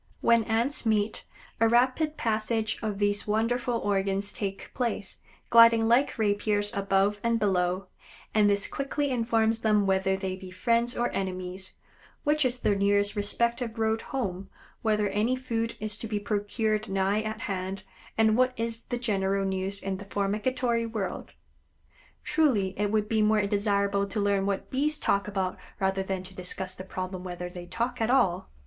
When Ants meet, a rapid passage of these wonderful organs takes place, gliding like rapiers above and below, and this quickly informs them whether they be friends or enemies, which is the nearest respective road home, whether any food is to be procured nigh at hand, and what is the general news in the formicatory world. Truly it would be more desirable to learn what Bees talk about rather than to discuss the problem whether they talk at all.